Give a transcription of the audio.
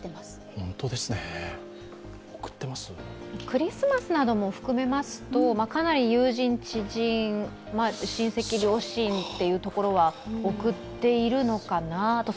クリスマスなども含めますと、かなり友人、知人、親戚、両親というところは贈っているのかなと。